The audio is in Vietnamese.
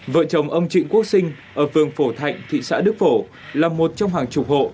vợ chồng ông trịnh quốc sinh ở phường phổ thạnh thị xã đức phổ là một trong hàng chục hộ